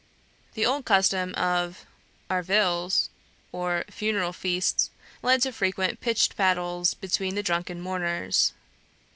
The old custom of "arvills," or funeral feasts, led to frequent pitched battles between the drunken mourners.